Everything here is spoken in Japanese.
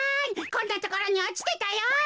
こんなところにおちてたよ！